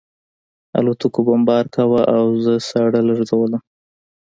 الوتکو بمبار کاوه او زه ساړه لړزولم